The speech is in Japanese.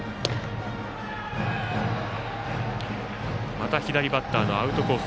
また左バッターのアウトコース